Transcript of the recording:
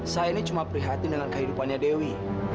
saya ini cuma prihatin dengan kehidupannya dewi